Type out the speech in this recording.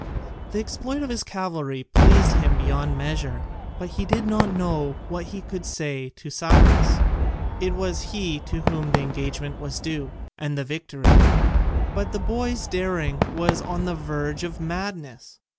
The exploit of his cavalry pleased him beyond measure, but he did not know what he could say to Cyrus. It was he to whom the engagement was due, and the victory; but the boy's daring was on the verge of madness.